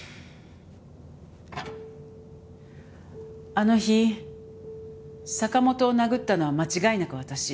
あの日坂本を殴ったのは間違いなく私。